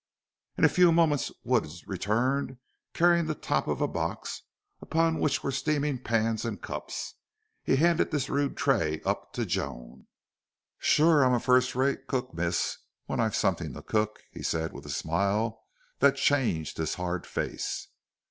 In a few moments Wood returned carrying the top of a box upon which were steaming pans and cups. He handed this rude tray up to Joan. "Shore I'm a first rate cook, miss, when I've somethin' to cook," he said with a smile that changed his hard face.